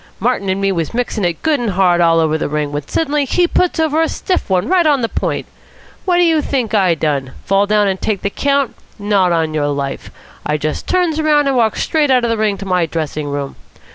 Martin and me was mixing it good and hard all over the ring, when suddenly he puts over a stiff one right on the point. What do you think I done? Fall down and take the count? Not on your life. I just turns round and walks straight out of the ring to my dressing room.